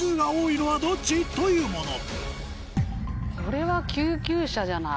これは救急車じゃない？